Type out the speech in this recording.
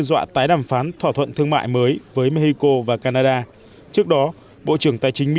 dọa tái đàm phán thỏa thuận thương mại mới với mexico và canada trước đó bộ trưởng tài chính mỹ